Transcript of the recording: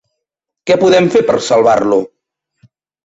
Què podem fer per salvar-lo?